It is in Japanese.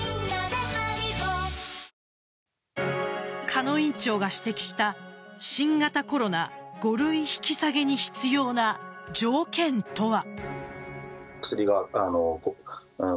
鹿野院長が指摘した新型コロナ５類引き下げに必要な条件とは。